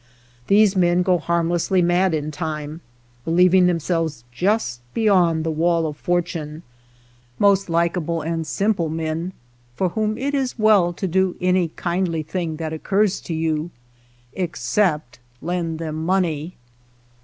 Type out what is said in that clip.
These men go harm lessly mad in time, believing themselves just behind the wall of fortune — most lik able and simple men, for whom it is well to do any kindly thing that occurs to you except lend them money.